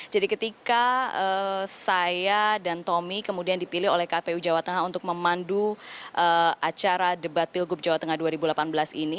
jadi ketika saya dan tommy kemudian dipilih oleh kpu jawa tengah untuk memandu acara debat pilgub jawa tengah dua ribu delapan belas ini